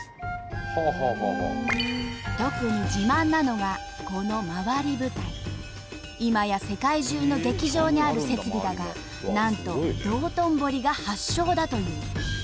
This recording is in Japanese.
特に自慢なのがこの今や世界中の劇場にある設備だがなんと道頓堀が発祥だという。